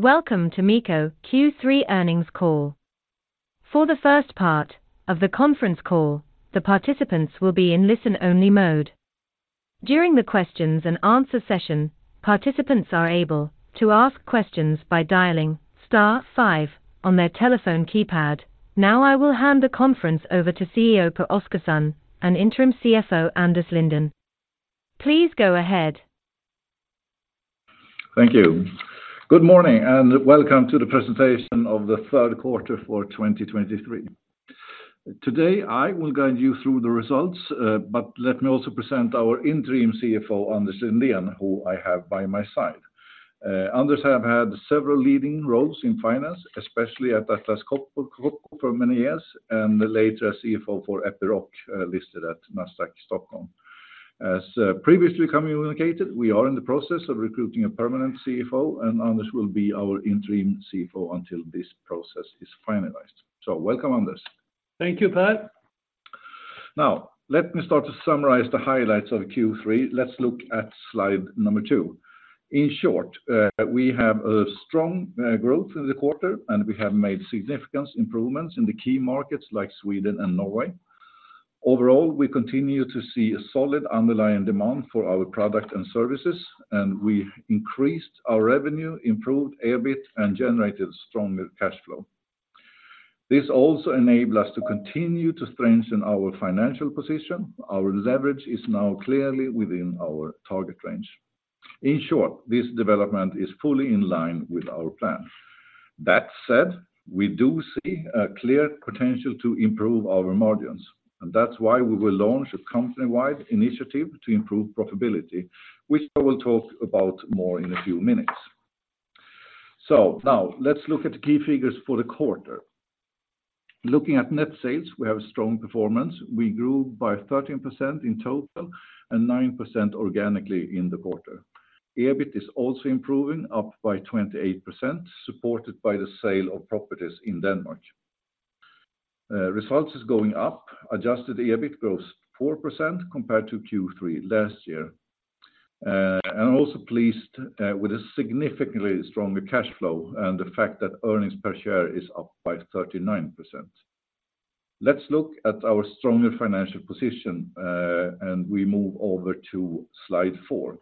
Welcome to MEKO Q3 Earnings Call. For the first part of the conference call, the participants will be in listen-only mode. During the questions and answer session, participants are able to ask questions by dialing star five on their telephone keypad. Now, I will hand the conference over to CEO Pehr Oscarson, and Interim CFO, Anders Lindén. Please go ahead. Thank you. Good morning, and welcome to the presentation of the third quarter for 2023. Today, I will guide you through the results, but let me also present our interim CFO, Anders Lindén, who I have by my side. Anders have had several leading roles in finance, especially at Atlas Copco for many years, and later as CFO for Epiroc, listed at Nasdaq Stockholm. As previously communicated, we are in the process of recruiting a permanent CFO, and Anders will be our interim CFO until this process is finalized. Welcome, Anders. Thank you, Pehr. Now, let me start to summarize the highlights of Q3. Let's look at slide number two. In short, we have a strong growth in the quarter, and we have made significant improvements in the key markets like Sweden and Norway. Overall, we continue to see a solid underlying demand for our product and services, and we increased our revenue, improved EBIT, and generated stronger cash flow. This also enable us to continue to strengthen our financial position. Our leverage is now clearly within our target range. In short, this development is fully in line with our plan. That said, we do see a clear potential to improve our margins, and that's why we will launch a company-wide initiative to improve profitability, which I will talk about more in a few minutes. So now let's look at the key figures for the quarter. Looking at net sales, we have a strong performance. We grew by 13% in total and 9% organically in the quarter. EBIT is also improving, up by 28%, supported by the sale of properties in Denmark. Results is going up. Adjusted EBIT grows 4% compared to Q3 last year. And I'm also pleased with a significantly stronger cash flow and the fact that earnings per share is up by 39%. Let's look at our stronger financial position, and we move over to Slide four.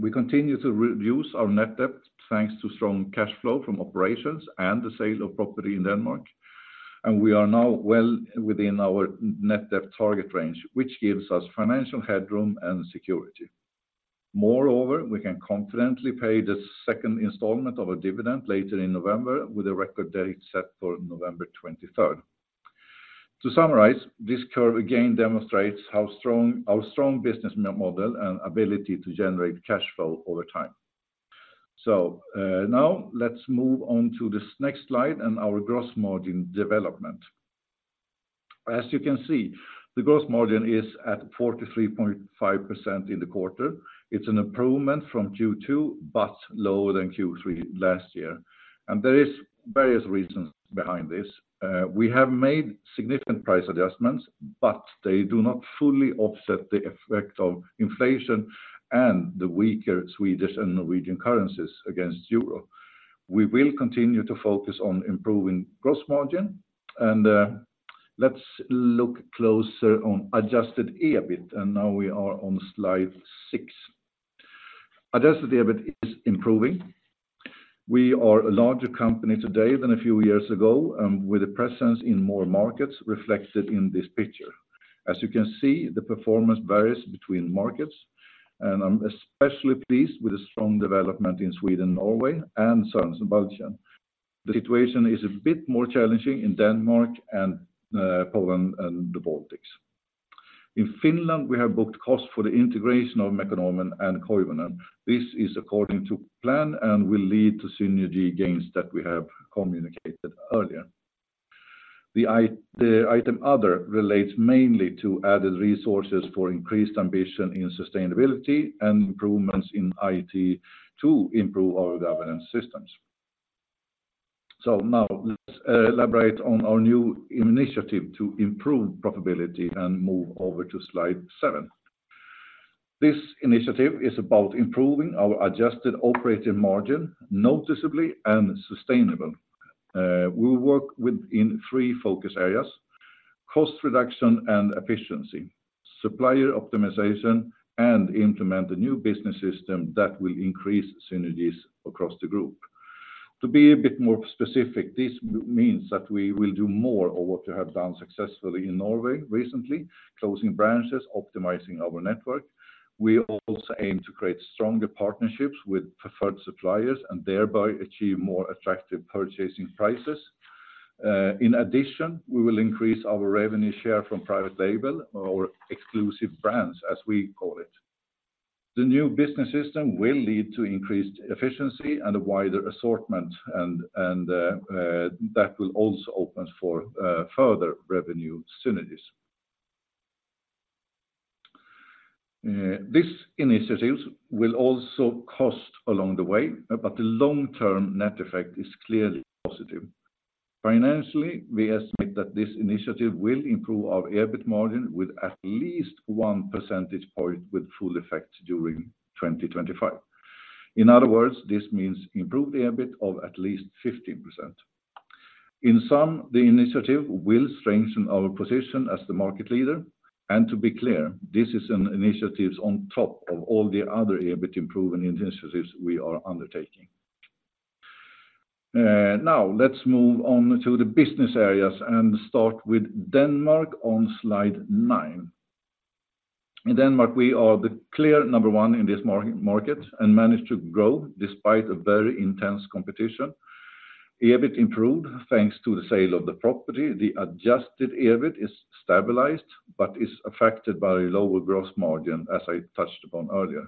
We continue to reduce our net debt, thanks to strong cash flow from operations and the sale of property in Denmark, and we are now well within our net debt target range, which gives us financial headroom and security. Moreover, we can confidently pay the second installment of our dividend later in November with a record date set for November 23rd. To summarize, this curve again demonstrates how strong our strong business model and ability to generate cash flow over time. So, now let's move on to this next slide and our gross margin development. As you can see, the gross margin is at 43.5% in the quarter. It's an improvement from Q2, but lower than Q3 last year. And there is various reasons behind this. We have made significant price adjustments, but they do not fully offset the effect of inflation and the weaker Swedish and Norwegian currencies against euro. We will continue to focus on improving gross margin, and, let's look closer on Adjusted EBIT, and now we are on Slide six. Adjusted EBIT is improving. We are a larger company today than a few years ago, and with a presence in more markets reflected in this picture. As you can see, the performance varies between markets, and I'm especially pleased with the strong development in Sweden and Norway and Sørensen og Balchen. The situation is a bit more challenging in Denmark and, Poland and the Baltics. In Finland, we have booked cost for the integration of Mekonomen and Koivunen. This is according to plan and will lead to synergy gains that we have communicated earlier. The item other relates mainly to added resources for increased ambition in sustainability and improvements in IT to improve our governance systems. So now, let's elaborate on our new initiative to improve profitability and move over to Slide seven. This initiative is about improving our adjusted operating margin noticeably and sustainable. We work within three focus areas: cost reduction and efficiency, supplier optimization, and implement a new business system that will increase synergies across the group. To be a bit more specific, this means that we will do more of what we have done successfully in Norway recently, closing branches, optimizing our network. We also aim to create stronger partnerships with preferred suppliers and thereby achieve more attractive purchasing prices. In addition, we will increase our revenue share from private label or exclusive brands, as we call it. The new business system will lead to increased efficiency and a wider assortment, that will also open for further revenue synergies. This initiatives will also cost along the way, but the long-term net effect is clearly positive. Financially, we estimate that this initiative will improve our EBIT margin with at least one percentage point with full effect during 2025. In other words, this means improved EBIT of at least 15%. In sum, the initiative will strengthen our position as the market leader, and to be clear, this is an initiatives on top of all the other EBIT improvement initiatives we are undertaking. Now let's move on to the business areas and start with Denmark on Slide nine. In Denmark, we are the clear number one in this market and managed to grow despite a very intense competition. EBIT improved, thanks to the sale of the property. The Adjusted EBIT is stabilized, but is affected by a lower gross margin, as I touched upon earlier.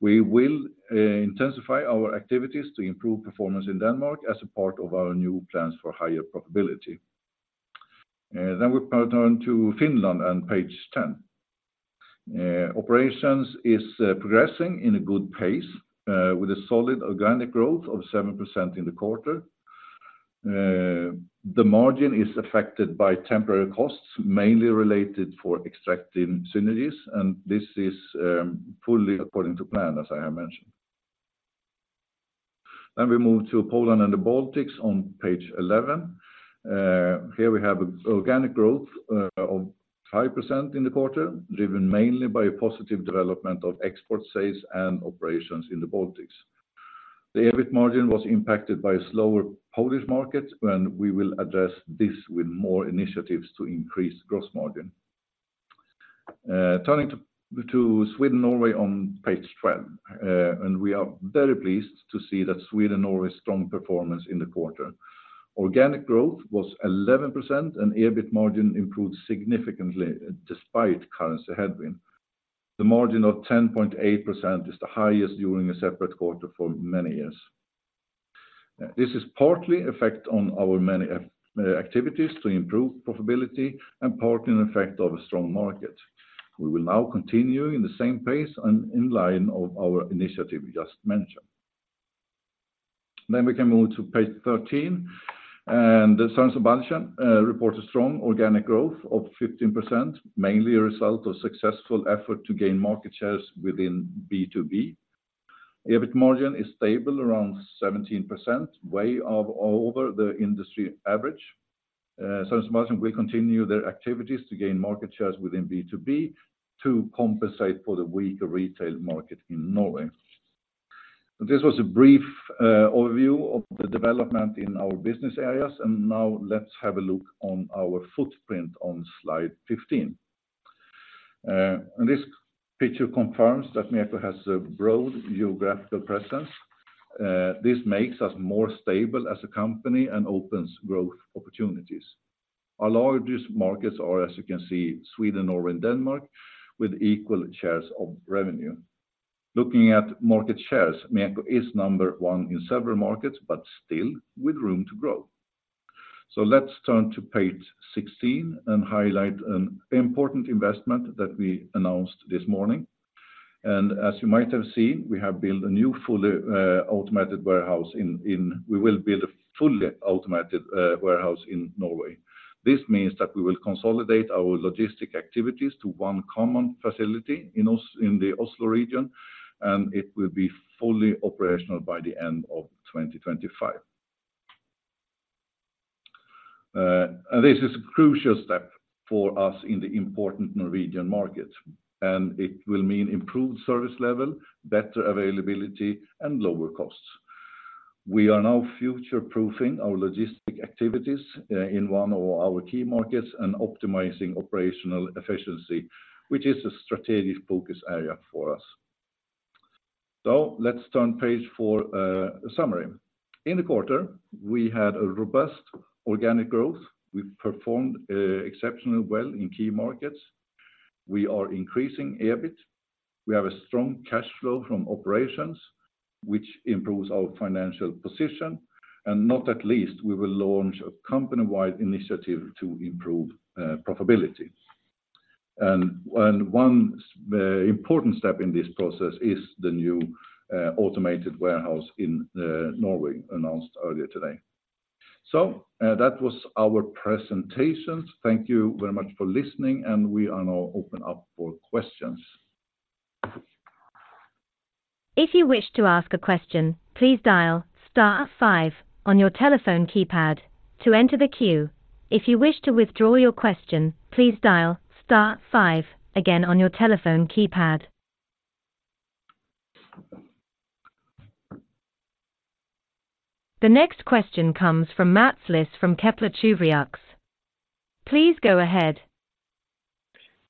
We will intensify our activities to improve performance in Denmark as a part of our new plans for higher profitability. Then we now turn to Finland on Page 10. Operations is progressing in a good pace with a solid organic growth of 7% in the quarter. The margin is affected by temporary costs, mainly related for extracting synergies, and this is fully according to plan, as I have mentioned. Then we move to Poland and the Baltics on Page 11. Here we have organic growth of 5% in the quarter, driven mainly by a positive development of export sales and operations in the Baltics. The EBIT margin was impacted by a slower Polish market, and we will address this with more initiatives to increase gross margin. Turning to Sweden and Norway on Page 12, and we are very pleased to see that Sweden, Norway, strong performance in the quarter. Organic growth was 11%, and EBIT margin improved significantly despite currency headwind. The margin of 10.8% is the highest during a separate quarter for many years. This is partly effect on our many activities to improve profitability and partly an effect of a strong market. We will now continue in the same pace and in line of our initiative just mentioned. Then we can move to Page 13, and Sørensen og Balchen reports a strong organic growth of 15%, mainly a result of successful effort to gain market shares within B2B. EBIT margin is stable around 17%, way over the industry average. Sørensen og Balchen will continue their activities to gain market shares within B2B to compensate for the weaker retail market in Norway. This was a brief overview of the development in our business areas, and now let's have a look on our footprint on Slide 15. And this picture confirms that MEKO has a broad geographical presence. This makes us more stable as a company and opens growth opportunities. Our largest markets are, as you can see, Sweden, Norway, and Denmark, with equal shares of revenue. Looking at market shares, MEKO is number one in several markets, but still with room to grow. So let's turn to Page 16 and highlight an important investment that we announced this morning. And as you might have seen, we will build a fully automated warehouse in Norway. This means that we will consolidate our logistic activities to one common facility in the Oslo region, and it will be fully operational by the end of 2025. And this is a crucial step for us in the important Norwegian market, and it will mean improved service level, better availability, and lower costs. We are now future-proofing our logistic activities in one of our key markets and optimizing operational efficiency, which is a strategic focus area for us. So let's turn the page for a summary. In the quarter, we had a robust organic growth. We've performed exceptionally well in key markets. We are increasing EBIT. We have a strong cash flow from operations, which improves our financial position, and not least, we will launch a company-wide initiative to improve profitability. And one important step in this process is the new automated warehouse in Norway, announced earlier today. So that was our presentation. Thank you very much for listening, and we are now open up for questions. If you wish to ask a question, please dial star five on your telephone keypad to enter the queue. If you wish to withdraw your question, please dial star five again on your telephone keypad. The next question comes from Mats Liss from Kepler Cheuvreux. Please go ahead.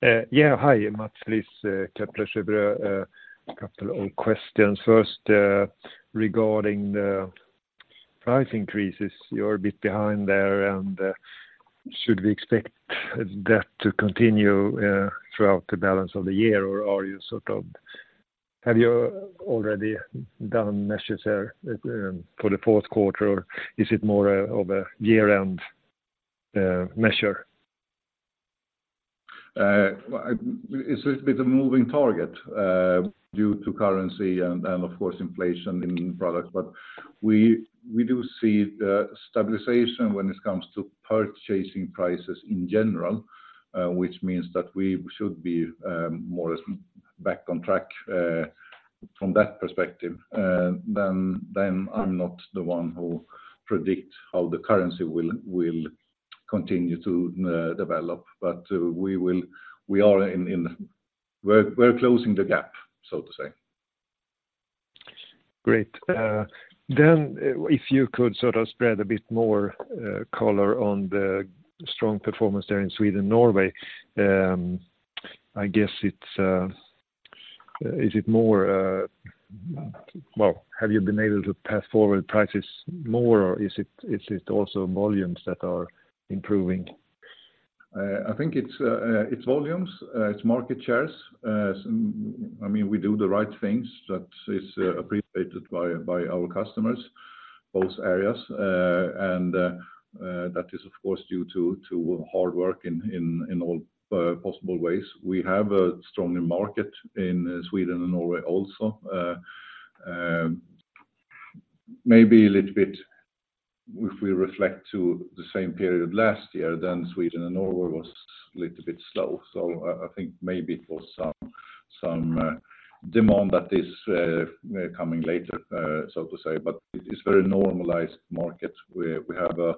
Yeah. Hi, Mats Liss, Kepler Cheuvreux. A couple of questions. First, regarding the price increases, you're a bit behind there, and should we expect that to continue throughout the balance of the year? Or have you already done measures there for the fourth quarter, or is it more of a year-end measure? Well, it's a bit of a moving target due to currency and, of course, inflation in products. But we do see the stabilization when it comes to purchasing prices in general, which means that we should be more or less back on track from that perspective. Then I'm not the one who predict how the currency will continue to develop, but we are in, we're closing the gap, so to say. Great. Then, if you could sort of spread a bit more color on the strong performance there in Sweden and Norway. I guess it's more... Well, have you been able to pass forward prices more, or is it also volumes that are improving? I think it's volumes, it's market shares. I mean, we do the right things that is appreciated by our customers, both areas. And that is, of course, due to hard work in all possible ways. We have a stronger market in Sweden and Norway also. Maybe a little bit, if we reflect to the same period last year, then Sweden and Norway was a little bit slow. So I think maybe for some demand that is coming later, so to say, but it is very normalized market, where we have a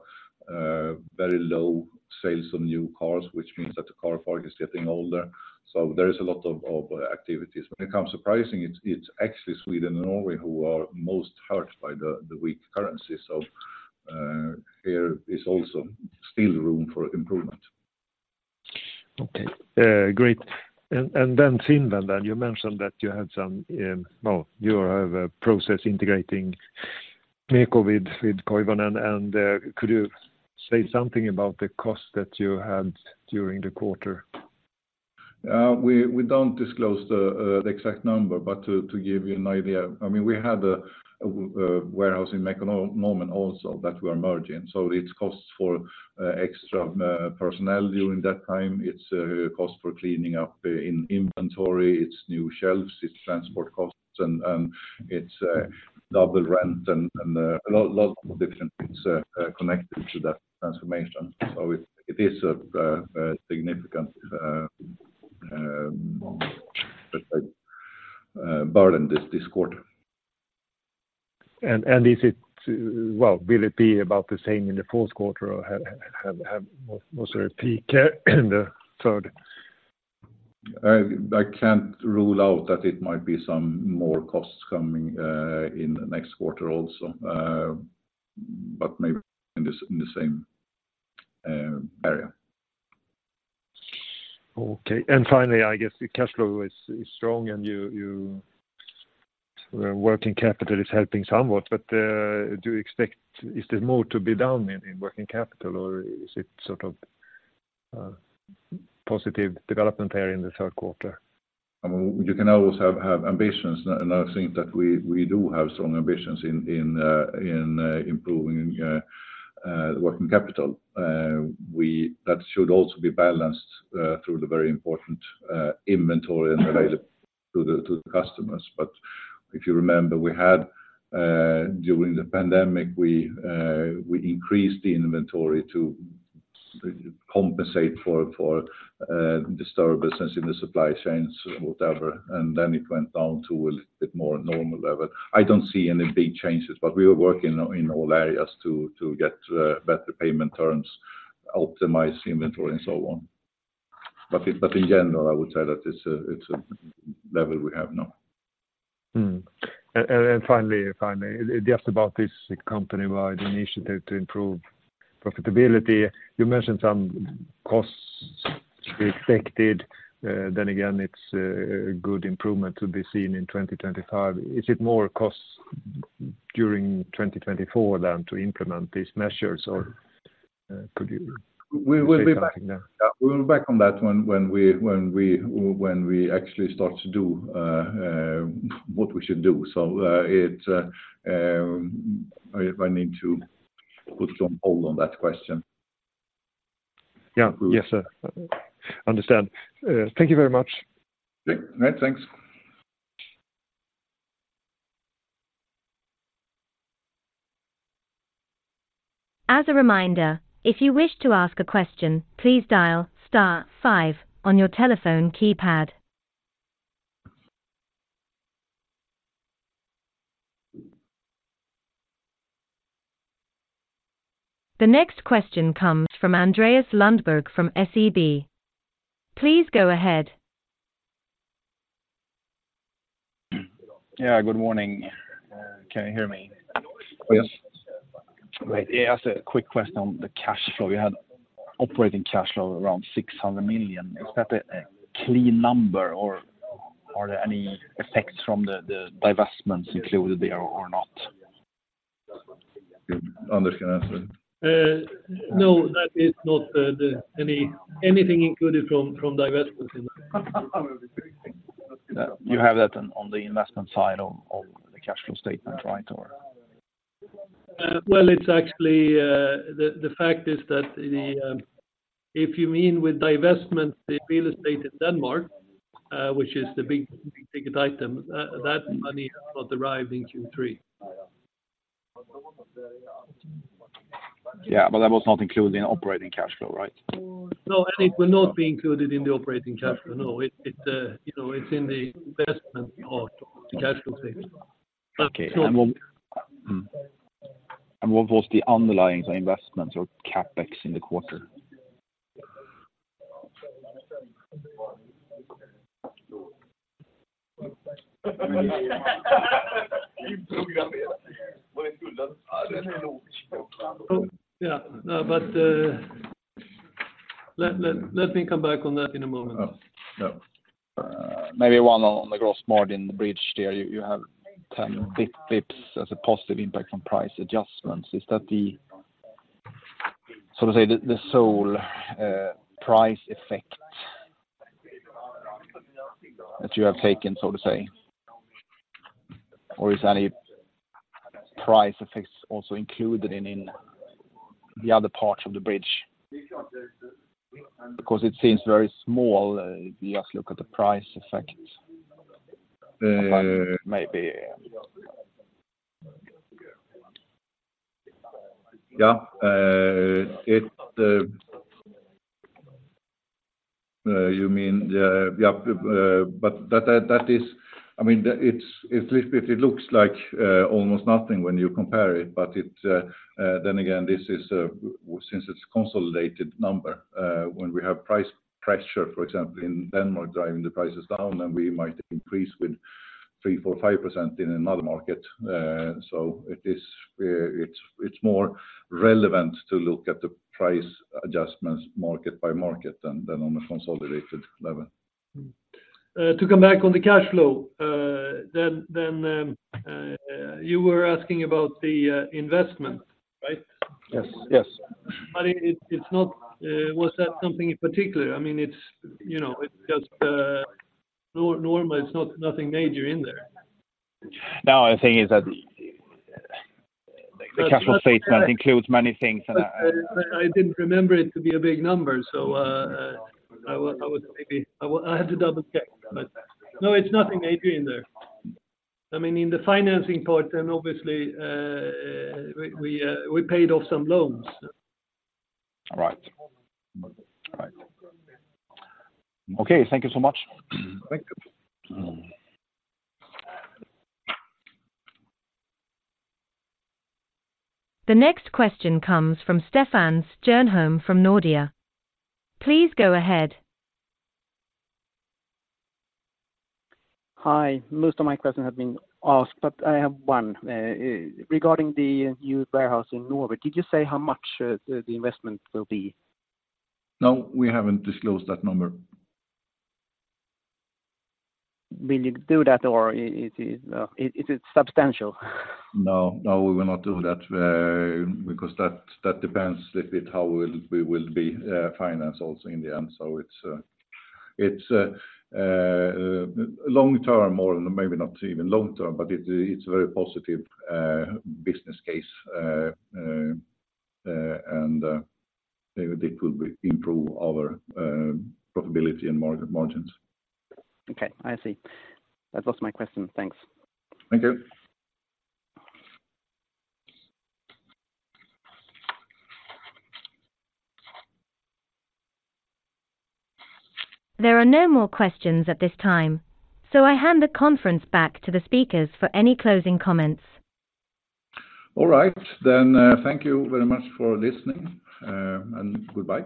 very low sales on new cars, which means that the car park is getting older, so there is a lot of activities. When it comes surprising, it's actually Sweden and Norway who are most hurt by the weak currency, so here is also still room for improvement. Okay, great. And then Finland, then, you mentioned that you had some, well, you have a process integrating MEKO with Koivunen, and could you say something about the cost that you had during the quarter? We don't disclose the exact number, but to give you an idea, I mean, we had a warehouse in Mekonomen also that we are merging. So it's costs for extra personnel during that time. It's cost for cleaning up in inventory, it's new shelves, it's transport costs, and it's double rent and a lot of different things connected to that transformation. So it is a significant, let's say, burden this quarter. Is it, well, will it be about the same in the fourth quarter, or was there a peak in the third? I can't rule out that it might be some more costs coming in the next quarter also, but maybe in the same area. Okay. And finally, I guess the cash flow is strong, and you working capital is helping somewhat, but do you expect- is there more to be down in working capital, or is it sort of positive development there in the third quarter? I mean, you can always have ambitions, and I think that we do have strong ambitions in improving the working capital. That should also be balanced through the very important inventory and available to the customers. But if you remember, we had during the pandemic, we increased the inventory to compensate for disturbances in the supply chains, whatever, and then it went down to a little bit more normal level. I don't see any big changes, but we are working in all areas to get better payment terms, optimize the inventory, and so on. But in general, I would say that it's a level we have now. And finally, just about this company-wide initiative to improve profitability, you mentioned some costs to be expected. Then again, it's a good improvement to be seen in 2025. Is it more costs during 2024 than to implement these measures, or could you- We will be back- Yeah. We'll be back on that when we actually start to do what we should do. So, I need to put some hold on that question. Yeah. Yes, sir. Understand. Thank you very much. Okay. Nice, thanks. As a reminder, if you wish to ask a question, please dial star five on your telephone keypad. The next question comes from Andreas Lundberg, from SEB. Please go ahead. Yeah, good morning. Can you hear me? Yes. Great. Yeah, just a quick question on the cash flow. You had operating cash flow around 600 million. Is that a clean number, or are there any effects from the divestments included there or not? Anders can answer. No, that is not anything included from divestment. You have that on the investment side of the cash flow statement, right, or?... Well, it's actually the fact is that if you mean with divestment, the real estate in Denmark, which is the big, big item, that money has not arrived in Q3. Yeah, but that was not included in operating cash flow, right? No, and it will not be included in the operating cash flow. No, it you know, it's in the investment of the cash flow statement. Okay. And what was the underlying investment or CapEx in the quarter? Oh, yeah. No, but let me come back on that in a moment. Oh, sure. Maybe one on the gross margin bridge there, you have 10 basis points as a positive impact on price adjustments. Is that the, so to say, the sole price effect that you have taken, so to say? Or is any price effects also included in the other parts of the bridge? Because it seems very small, if you just look at the price effect, maybe. Yeah. It... You mean, yeah, but that is. I mean, it looks like almost nothing when you compare it, but then again, this is since it's a consolidated number, when we have price pressure, for example, in Denmark, driving the prices down, then we might increase with 3%, 4%, 5% in another market. So it is, it's more relevant to look at the price adjustments market by market than on a consolidated level. Mm-hmm. To come back on the cash flow, then, you were asking about the investment, right? Yes. Yes. But it's not. Was that something in particular? I mean, it's, you know, it's just normal. It's not nothing major in there. No, the thing is that the cash flow statement includes many things and I didn't remember it to be a big number, so, I would maybe... I had to double-check, but no, it's nothing major in there. I mean, in the financing part, then obviously, we paid off some loans. Right. Right. Okay, thank you so much. Thank you. The next question comes from Stefan Stjernholm from Nordea. Please go ahead. Hi. Most of my questions have been asked, but I have one. Regarding the new warehouse in Norway, did you say how much the investment will be? No, we haven't disclosed that number. Will you do that, or is it, is it substantial? No. No, we will not do that, because that depends a bit how we will be financed also in the end. So it's long term, or maybe not even long term, but it's a very positive business case. And it will be improve our profitability and margins. Okay, I see. That was my question. Thanks. Thank you. There are no more questions at this time, so I hand the conference back to the speakers for any closing comments. All right. Then, thank you very much for listening, and goodbye.